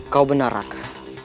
kau benar raka